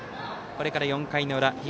これから４回の裏東